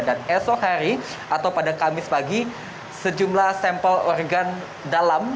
dan esok hari atau pada kamis pagi sejumlah sampel organ dalam